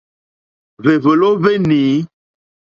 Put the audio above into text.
Hwèwòló hwé nǐ.